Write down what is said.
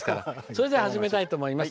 それじゃ始めたいと思います。